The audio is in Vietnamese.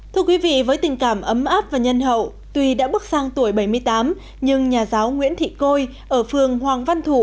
thưa quý vị với tình cảm ấm áp và nhân hậu tuy đã bước sang tuổi bảy mươi tám nhưng nhà giáo nguyễn thị côi ở phường hoàng văn thủ